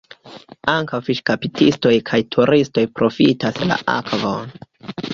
Ankaŭ fiŝkaptistoj kaj turistoj profitas la akvon.